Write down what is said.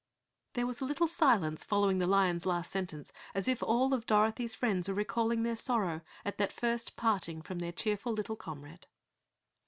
There was a little silence following the lion's last sentence, as if all of Dorothy's friends were recalling their sorrow at that first parting from their cheerful little comrade.